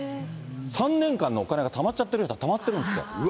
３年間のお金がたまっちゃってる人はたまってるんですよ。